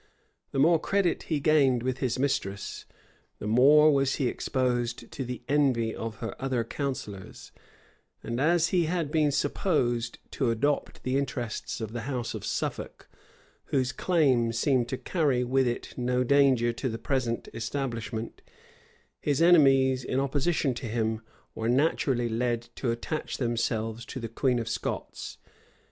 The more credit he gained with his mistress, the more was he exposed to the envy of her other counsellors; and as he had been supposed to adopt the interests of the house of Suffolk, whose claim seemed to carry with it no danger to the present establishment, his enemies, in opposition to him, were naturally led to attach themselves to the queen of Scots.